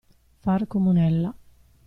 Far comunella.